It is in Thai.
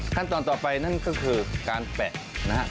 ขั้นตอนต่อไปนั่นก็คือการแปะนะฮะ